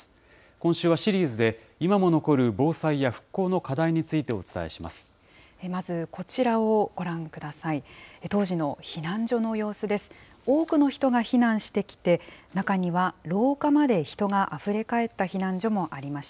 今週はシリーズで、今も残る防災や復興の課題についてお伝えします。